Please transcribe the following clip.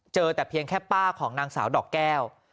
เจอแต่เพียงแค่ป้าของนางสาวดอกแก้ว